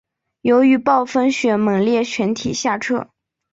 由于暴风雪猛烈全体下撤。